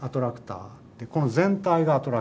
この全体がアトラクターですね。